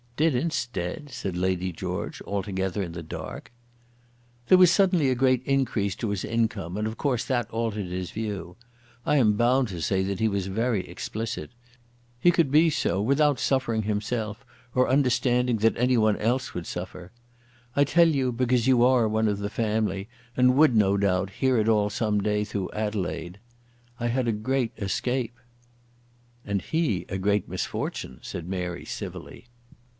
"Did instead!" said Lady George, altogether in the dark. "There was suddenly a great increase to his income, and, of course, that altered his view. I am bound to say that he was very explicit. He could be so without suffering himself, or understanding that any one else would suffer. I tell you because you are one of the family, and would, no doubt, hear it all some day through Adelaide. I had a great escape." "And he a great misfortune," said Mary civilly.